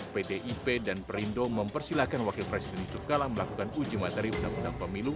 pdip dan perindo mempersilahkan wakil presiden yusuf kala melakukan uji materi undang undang pemilu